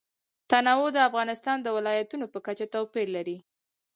تنوع د افغانستان د ولایاتو په کچه توپیر لري.